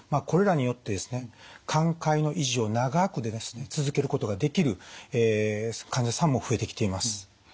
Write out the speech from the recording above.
これらによってですね寛解の維持を長く続けることができる患者さんも増えてきています。